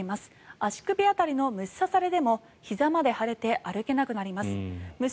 足首当たりの虫刺されでもひざまで腫れて歩けなくなります。